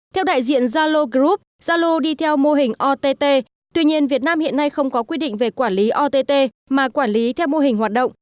theo đại diện zalo group zalo đi theo mô hình ott tuy nhiên việt nam hiện nay không có quy định về quản lý ott mà quản lý theo mô hình hoạt động